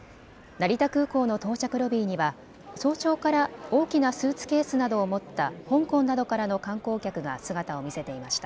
成田空港の到着ロビーには早朝から大きなスーツケースなどを持った香港などからの観光客が姿を見せていました。